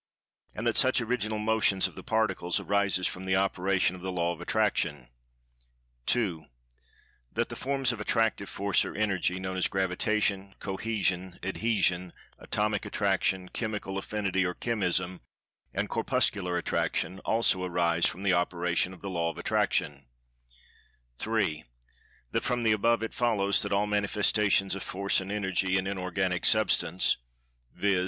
And that such Original Motion of the Particles arises from the Operation of The Law of Attraction; (2) That the forms of Attractive Force or Energy, known as Gravitation, Cohesion, Adhesion, Atomic Attraction, Chemical Affinity or Chemism, and Corpuscular Attraction, also arise from the operation of the Law of Attraction; (3) That, from the above, it follows that: All Manifestations of Force and Energy in Inorganic Substance (viz.